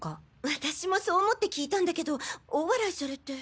私もそう思って聞いたんだけど大笑いされて。